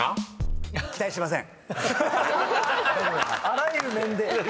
あらゆる面で。